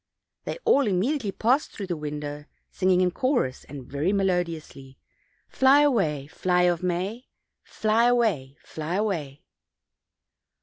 They all immediately passed through the window, sing ing in chorus and very melodiously: "Fly away, fly of May; Fly away, fly away."